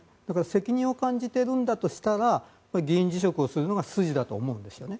責任を感じているんだとしたら議員辞職をするのが筋だと思うんですよね。